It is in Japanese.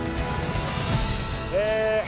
え